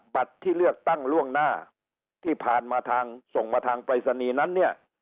บัตรที่เลือกตั้งล่วงหน้าที่ผ่านมาทางส่งมาทางปรายศนีย์นั้นเนี่ย